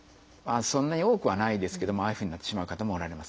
そんなに多くはないですけどもああいうふうになってしまう方もおられますね。